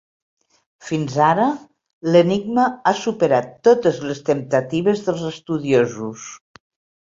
Fins ara l'enigma ha superat totes les temptatives dels estudiosos.